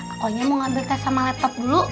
akunya mau ngambil tes sama laptop dulu